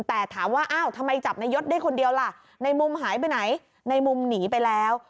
แต่ถามว่าอ้าวทำไมจับนายศได้คนเดียวล่ะในมุมหายไปไหนในมุมหนีไปแล้ว